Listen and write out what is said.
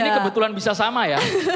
ini kebetulan bisa sama ya